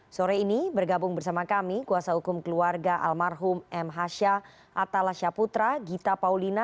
sore ini bergabung bersama kami kuasa hukum keluarga almarhum m hasha atalasha putra gita paulina